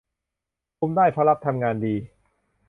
คุมได้ เพราะรัฐทำงานดี